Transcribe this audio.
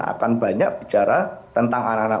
akan banyak bicara tentang anak anak